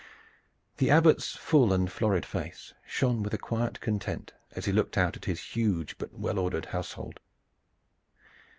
The Abbot's full and florid face shone with a quiet content as he looked out at his huge but well ordered household.